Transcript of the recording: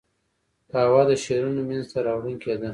قهوه د شعرونو منځ ته راوړونکې ده